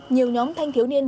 nhiều nhóm thanh thiếu niên